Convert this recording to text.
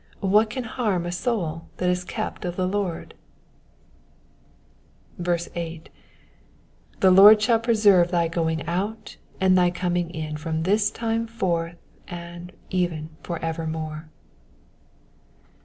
What can harm a soul that is kept of the Lord ? 8. ^^The LOBD shall preserve thy going &ut and thy coming in from this time forth, and even for evermore.'